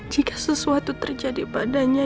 jika sesuatu terjadi padanya